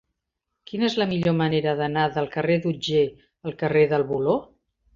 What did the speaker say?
Quina és la millor manera d'anar del carrer d'Otger al carrer del Voló?